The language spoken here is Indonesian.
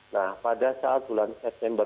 nah pada saat bulan september